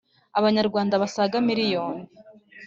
abanyarwanda basaga miliyoni.